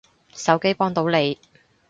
手機幫到你